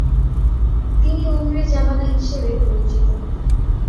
তিনি ওমরে যামানা হিসেবে পরিচিত হতেন।